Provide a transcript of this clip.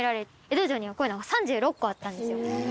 江戸城にはこういうのが３６個あったんですよ。